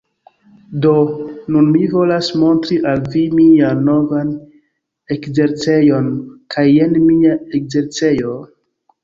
Do, nun mi volas montri al vi mian novan ekzercejon kaj jen mia ekzercejo...